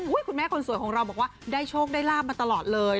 คุณแม่คนสวยของเราบอกว่าได้โชคได้ลาบมาตลอดเลย